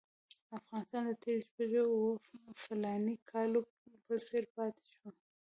افغانستان د تېرو شپږو اوو فلاني کالو په څېر پاتې دی.